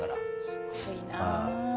すごいな。